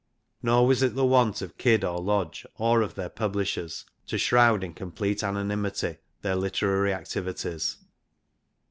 Nor was it the wont of Kyd and Lodge, or of their publishers, to shroud in complete anonymity their literary activities.